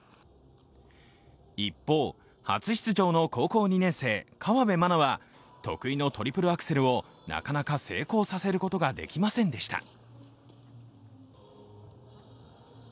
一方、初出場の高校２年生、河辺愛菜は得意のトリプルアクセルをなかなか成功させることができませんでした。